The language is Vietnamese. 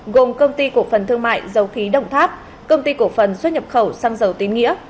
gồm công ty cổ phần thương mại dầu khí đồng tháp công ty cổ phần xuất nhập khẩu xăng dầu tín nghĩa